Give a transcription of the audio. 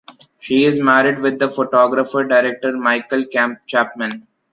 She is married with the photography director Michael Chapman.